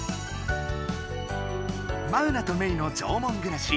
マウナとメイの縄文暮らし。